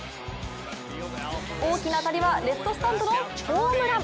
大きな当たりはレフトスタンドのホームラン。